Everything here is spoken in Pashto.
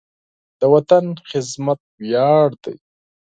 د وطن خدمت ویاړ دی.